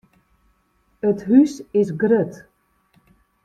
It hús is grut.